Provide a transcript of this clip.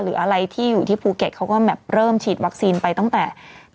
หรืออะไรที่อยู่ที่ภูเก็ตเขาก็แบบเริ่มฉีดวัคซีนไปตั้งแต่